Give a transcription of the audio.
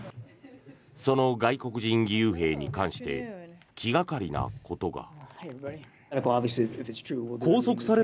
その外国人義勇兵に関して気掛かりなことが。